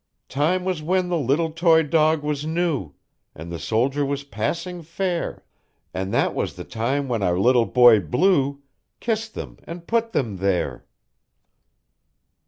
Time was when the little toy dog was new, And the soldier was passing fair; And that was the time when our little boy blue, Kissed them and put them there."